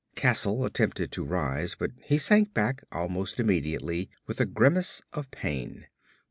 Castle attempted to rise but he sank back almost immediately with a grimace of pain.